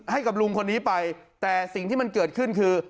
ให้กับลุงคนนี้ไปแต่สิ่งที่มันเกิดขึ้นคือ